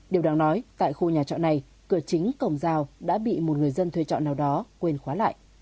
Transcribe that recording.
điều đáng nói tại khu nhà trọ này cửa chính cổng rào đã bị một người dân thuê trọ nào đó quên khóa lại